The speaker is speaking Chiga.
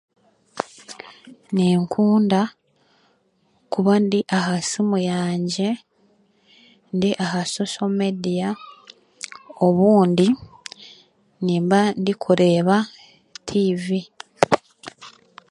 Ninkunda kuba ndi aha simu yangye, ndi aha soso mediya, obundi, nimba ndikureeba tiivi.